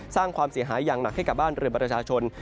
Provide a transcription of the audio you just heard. สร้างความเสียหายอย่างหนักให้กับบ้านเรือนประชาชน